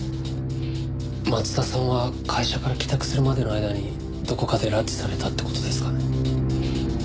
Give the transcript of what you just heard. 松田さんは会社から帰宅するまでの間にどこかで拉致されたって事ですかね。